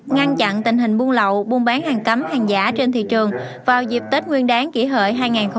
ngăn chặn tình hình buôn lậu buôn bán hàng cấm hàng giả trên thị trường vào dịp tết nguyên đáng kỷ hợi hai nghìn một mươi chín